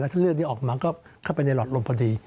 แล้วก็เลือดที่ออกมาก็เข้าไปในหลอดลมพอดี